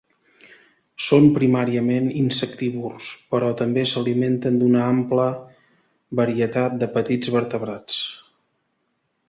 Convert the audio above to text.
Són primàriament insectívors, però també s'alimenten d'una ampla varietat de petits vertebrats.